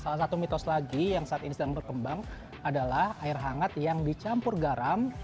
salah satu mitos lagi yang saat ini sedang berkembang adalah air hangat yang dicampur garam